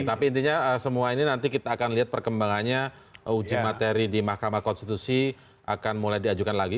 tapi intinya semua ini nanti kita akan lihat perkembangannya uji materi di mahkamah konstitusi akan mulai diajukan lagi